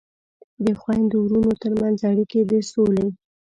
د خویندو ورونو ترمنځ اړیکې د سولې